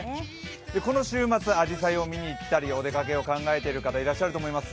この週末、あじさいを見に行ったりお出かけを考えている方いっぱいいらっしゃると思います。